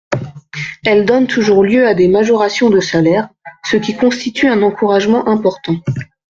Elles donnent toujours lieu à des majorations de salaire, ce qui constitue un encouragement important.